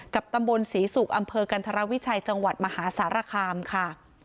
กับตำบลศรีสุกอำเภอกันธรวิชัยจังหวัดมหาศาสตร์รักษามค่ะ